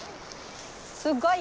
すっごい！